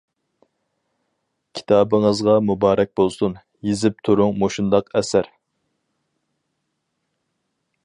كىتابىڭىزغا مۇبارەك بولسۇن، يېزىپ تۇرۇڭ مۇشۇنداق ئەسەر.